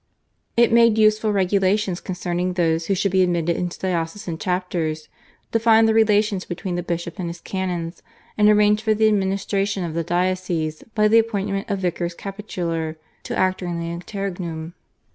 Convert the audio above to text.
It made useful regulations concerning those who should be admitted into diocesan chapters, defined the relations between the bishop and his canons, and arranged for the administration of the dioceses by the appointment of vicars capitular to act during the interregnum.